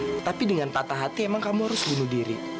berlindung di depan si world